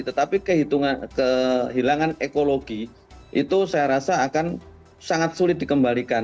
tetapi kehilangan ekologi itu saya rasa akan sangat sulit dikembalikan